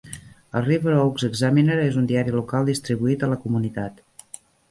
El "River Oaks Examiner" és un diari local distribuït a la comunitat.